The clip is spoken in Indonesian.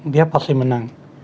dia pasti menang